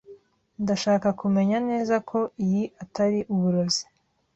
Ndashaka kumenya neza ko iyi atari uburozi.